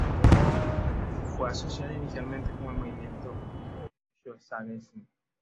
Fue asociada inicialmente con el movimiento shoegazing.